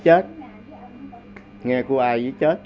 mới nghe cô ấy chết